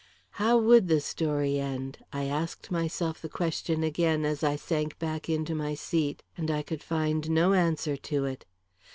How would the story end? I asked myself the question again, as I sank back into my seat. And I could find no answer to it.